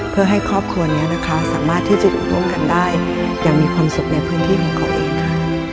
เพื่อให้ครอบครัวนี้นะคะสามารถที่จะอยู่ร่วมกันได้อย่างมีความสุขในพื้นที่ของเขาเองค่ะ